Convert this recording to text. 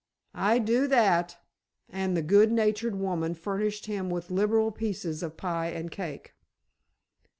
"I do that," and the good natured woman furnished him with liberal pieces of pie and cake.